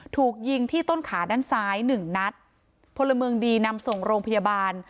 ถูกยิงที่ต้นขาด้านซ้ายหนึ่งนัดพลเมืองดีนำส่งโรงพยาบาล